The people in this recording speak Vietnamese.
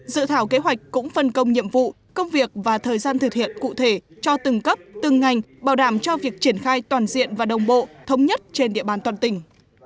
dự thảo kế hoạch cũng phân công nhiệm vụ công việc và thời gian thực hiện cụ thể cho từng cấp từng ngành bảo đảm cho việc triển khai toàn diện và đồng bộ thống nhất trên địa bàn toàn tỉnh